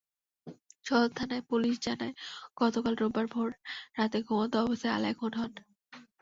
সদর থানার পুলিশ জানায়, গতকাল রোববার ভোর রাতে ঘুমন্ত অবস্থায় আলেয়া খুন হন।